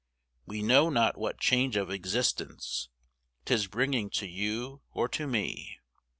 We know not what change of existence 'Tis bringing to you or to me.